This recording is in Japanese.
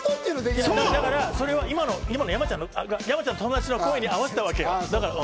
今、山ちゃんの友達の声に合わせたの。